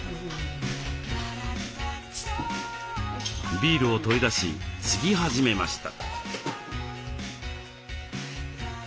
ビールを取り出しつぎ始めました。